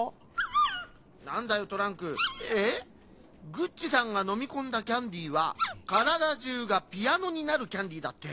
「グッチさんがのみこんだキャンディーはからだじゅうがピアノになるキャンディー」だって？